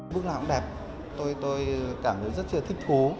bước lại cũng đẹp tôi cảm thấy rất là thích thú